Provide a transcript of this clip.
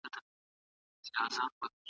د يوازيتوب احساس مه کوئ.